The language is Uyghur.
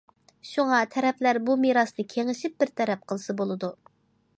شۇڭا تەرەپلەر بۇ مىراسنى كېڭىشىپ بىر تەرەپ قىلسا بولىدۇ.